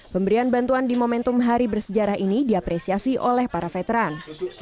pemberian bantuan di momentum hari bersejarah ini diapresiasi oleh para veteran